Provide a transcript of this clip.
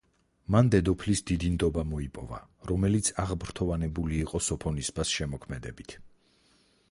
მან დედოფლის დიდი ნდობა მოიპოვა, რომელიც აღფრთოვანებული იყო სოფონისბას შემოქმედებით.